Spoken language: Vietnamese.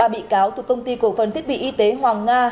ba bị cáo thuộc công ty cổ phần thiết bị y tế hoàng nga